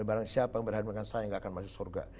barang siapa yang berhadapan dengan saya nggak akan masuk surga